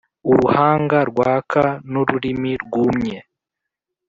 uruhanga rwaka, nururimi rwumye.